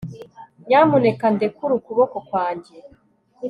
nyamuneka ndekure ukuboko kwanjye